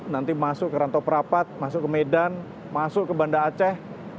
nanti masuk ke rantau perapat masuk ke medan masuk ke banda aceh